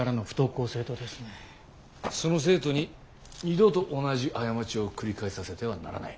その生徒に二度と同じ過ちを繰り返させてはならない。